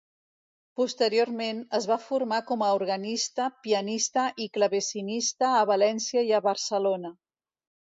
Posteriorment, es va formar com a organista, pianista i clavecinista a València i a Barcelona.